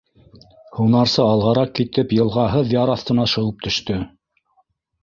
Һунарсы алғараҡ китеп йылғаһыҙ яр аҫтына шыуып төштө.